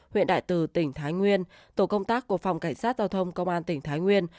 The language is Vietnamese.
huyện đại từ tỉnh thái nguyên tổ công tác của phòng cảnh sát giao thông công an tỉnh thái nguyên